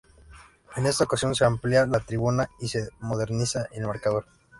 En esta ocasión se amplia la tribuna, y se moderniza el marcador.